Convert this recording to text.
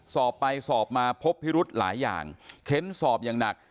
สอบไปสอบมาพบพิรุธหลายอย่างเค้นสอบอย่างหนัก